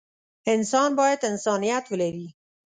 انسان بايد انسانيت ولري.